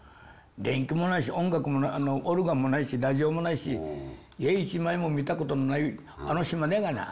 電気もないし音楽もオルガンもないしラジオもないし絵一枚も見たことのないあの島だがな。